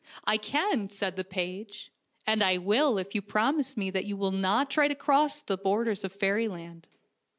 " I can," said the page, " and I will if you promise me that you will not try to cross the borders of fairyland."